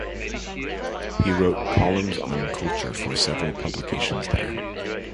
He wrote columns on culture for several publications there.